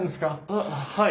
あっはい。